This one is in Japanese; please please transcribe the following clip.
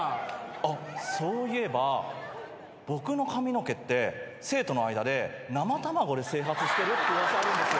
あっそういえば僕の髪の毛って生徒の間で生卵で整髪してるって噂あるんですよ。